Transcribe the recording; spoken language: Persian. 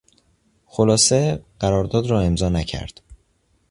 خلاصه، قرارداد را امضا نکرد.